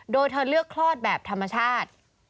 โดยเธอเลือกคลอดแบบธรรมชาติ